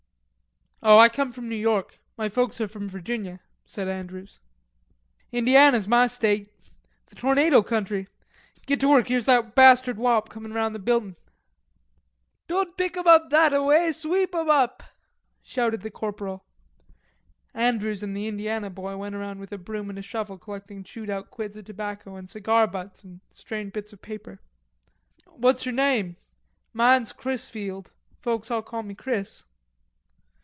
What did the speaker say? "Oh, I come from New York. My folks are from Virginia," said Andrews. "Indiana's ma state. The tornado country.... Git to work; here's that bastard wop comin' around the buildin'." "Don't pick 'em up that a way; sweep 'em up," shouted the corporal. Andrews and the Indiana boy went round with a broom and a shovel collecting chewed out quids of tobacco and cigar butts and stained bits of paper. "What's your name? Mahn's Chrisfield. Folks all call me Chris."